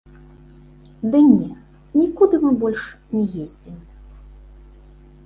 Ды не, нікуды мы больш не ездзім.